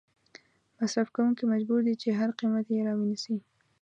مصرف کوونکې مجبور دي چې په هر قیمت یې را ونیسي.